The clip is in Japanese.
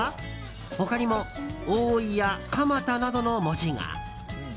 他にも大井や蒲田などの文字が。